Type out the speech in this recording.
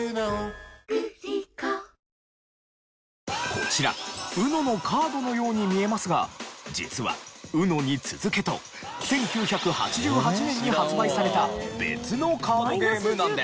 こちらＵＮＯのカードのように見えますが実はＵＮＯに続けと１９８８年に発売された別のカードゲームなんです。